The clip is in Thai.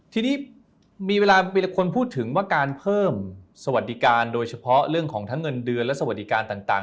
ทีนี้มีเวลามีคนพูดถึงว่าการเพิ่มสวัสดิการโดยเฉพาะเรื่องของทั้งเงินเดือนและสวัสดิการต่าง